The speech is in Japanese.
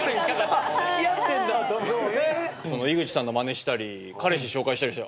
井口さんのまねしたり彼氏紹介したりして。